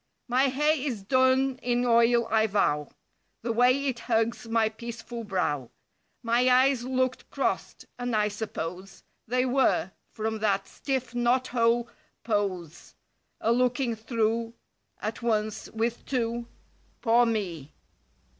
My hair is "done in oil" I vow. The way it hugs my peaceful brow. My eyes looked crossed, and I suppose They were, from that stiff knot hole pose— io8 A looking through At once, with two— Poor me!